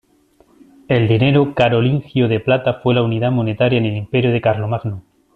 El dinero carolingio de plata fue la unidad monetaria en el Imperio de Carlomagno.